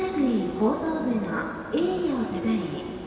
高等部の栄誉をたたえ